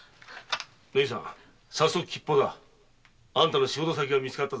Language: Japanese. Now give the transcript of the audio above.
縫さん吉報だあんたの仕事先が見つかったぞ。